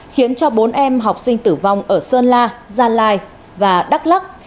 khiến cho bốn em học sinh tử vong ở sơn la gia lai và đắk lắc